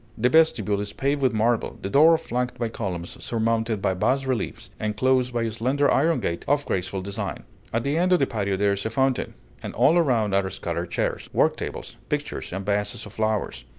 The vestibule is paved with marble, the door flanked by columns, surmounted by bas reliefs, and closed by a slender iron gate of graceful design. At the end of the patio there is a fountain; and all around are scattered chairs, work tables, pictures, and vases of flowers.